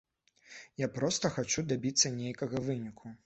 Я проста хачу дабіцца нейкага выніку.